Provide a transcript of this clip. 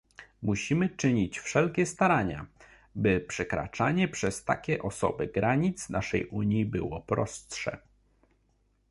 Musimy czynić wszelkie starania, by przekraczanie przez takie osoby granic naszej Unii było prostsze